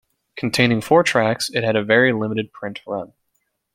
Containing four tracks, it had a very limited print run.